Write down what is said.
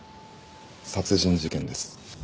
殺人事件です。